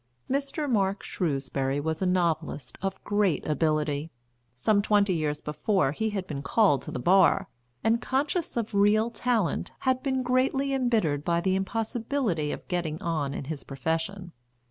Mr. Mark Shrewsbury was a novelist of great ability. Some twenty years before, he had been called to the bar, and, conscious of real talent, had been greatly embittered by the impossibility of getting on in his profession.